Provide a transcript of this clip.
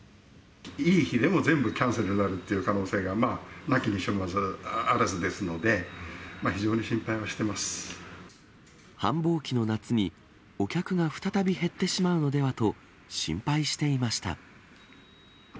いい日でも全部キャンセルになるっていう可能性がなきにしもあらずですので、非常に心配はし繁忙期の夏に、お客が再び減ってしまうのではと心配していました。